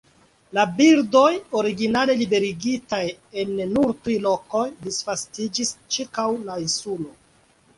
La birdoj, originale liberigitaj en nur tri lokoj, disvastiĝis ĉirkaŭ la insulo.